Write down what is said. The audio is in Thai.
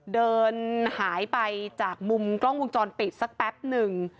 เดินหายไปจากมุมกล้องวงจรปิดสักแป๊บหนึ่ง